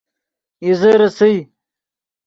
اِیزے ریسئے